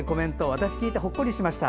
私、聞いてほっこりしました。